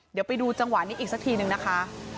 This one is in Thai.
เดี๋ยวไปดูจังหวะนี้อีกสักทีนึงนะคะ